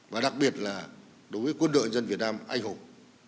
và đặc biệt là đối với quân đội dân việt nam anh hùng